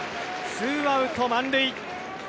ツーアウト満塁。